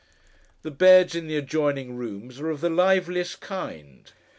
The beds in the adjoining rooms are of the liveliest kind.